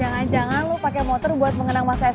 jangan jangan lo pakai motor buat mengenang masa sma kita ya